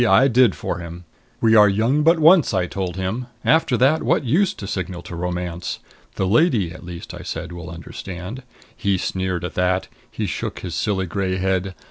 I did for him. We are young but once, I told him. After that, what use to signal to Romance? The lady at least, I said, will understand. He sneered at that. He shook his silly gray head.